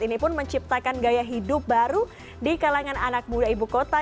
ini pun menciptakan gaya hidup baru di kalangan anak muda ibu kota